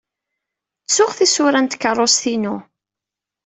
Ttuɣ tisura n tkeṛṛust-inu.